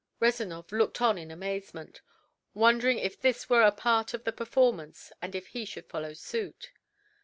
Rezanov looked on in amazement, wondering if this were a part of the performance and if he should follow suit.